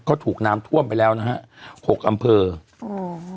ก็ถูกน้ำท่วมไปแล้วนะฮะหกอำเภออืม